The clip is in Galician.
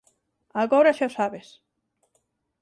Agora xa o sabes